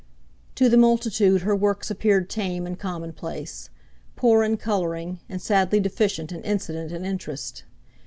To the multitude her works appeared tame and commonplace, {136a} poor in colouring, and sadly deficient in incident and interest.